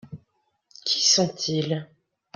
Qui sont-ils ?